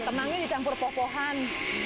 kemangi dicampur poh pohan